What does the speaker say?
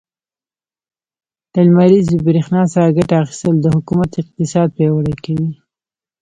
له لمريزې برښنا څخه ګټه اخيستل, د حکومت اقتصاد پياوړی کوي.